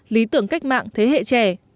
lý tưởng cách mạng thế hệ trẻ